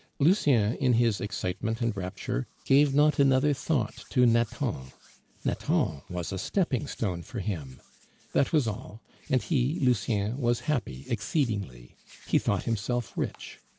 Lucien, in his excitement and rapture, gave not another thought to Nathan. Nathan was a stepping stone for him that was all; and he (Lucien) was happy exceedingly he thought himself rich.